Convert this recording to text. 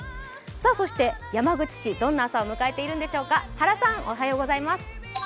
そして山口市、どんな朝を迎えているんでしょうか。